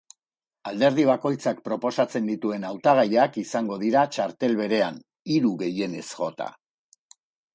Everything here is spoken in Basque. Alderdi bakoitzak proposatzen dituen hautagaiak izango dira txartel berean, hiru gehienez jota.